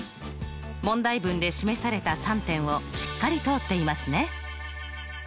問題文で示された３点をしっかり通っていますね。